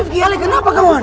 rifqi alih kenapa kan juan